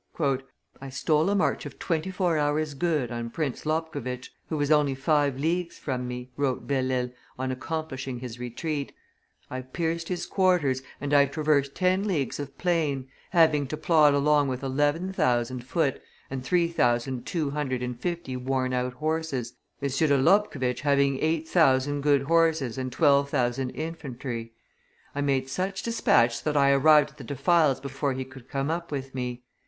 "I stole a march of twenty four hours good on Prince Lobkowitz, who was only five leagues from me," wrote Belle Isle, on accomplishing his retreat; "I pierced his quarters, and I traversed ten leagues of plain, having to plod along with eleven thousand foot and three thousand two hundred and fifty worn out horses, M. de Lobkowitz having eight thousand good horses and twelve thousand infantry. I made such despatch that I arrived at the defiles before he could come up with me.